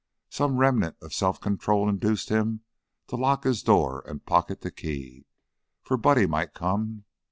Some remnant of self control induced him to lock his door and pocket the key, for Buddy might come.